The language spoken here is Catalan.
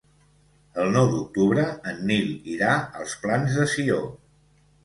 El nou d'octubre en Nil irà als Plans de Sió.